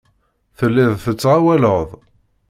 Telliḍ tettɣawaleḍ.